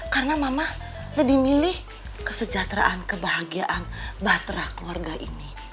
karena mama lebih milih kesejahteraan kebahagiaan baterah keluarga ini